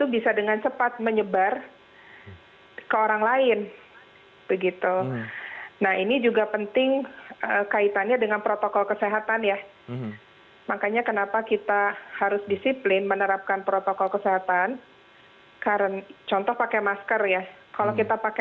banyak mungkin ya presentasi kemudian kerja kelompok